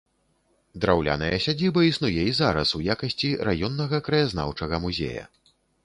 Драўляная сядзіба існуе і зараз у якасці раённага краязнаўчага музея.